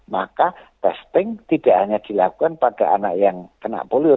maka testing tidak hanya dilakukan pada anak yang kena polio